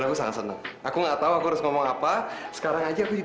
aku sangat senang aku nggak tahu aku harus ngomong apa sekarang aja